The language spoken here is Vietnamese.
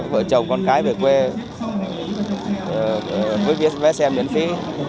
vợ chồng con cái về quê với vé xe miễn phí